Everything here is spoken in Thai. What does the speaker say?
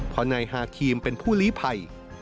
เพราะนายฮาครีมเป็นผู้ลีภัย